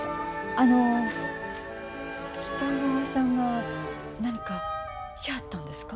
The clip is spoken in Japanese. あの北川さんが何かしはったんですか？